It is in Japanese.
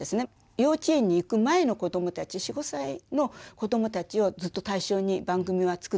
幼稚園に行く前のこどもたち４５歳のこどもたちをずっと対象に番組は作ってきてたんですね。